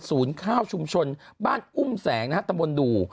ศูนย์ข้าวชุมชนบ้านอุ่มแสงนะฮะตะมนต์ดู